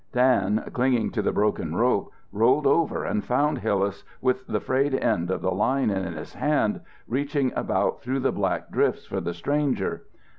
Dan, clinging to the broken rope, rolled over and found Hillas with the frayed end of the line in his hand, reaching about through the black drifts for the stranger.